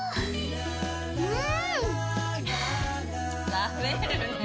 食べるねぇ。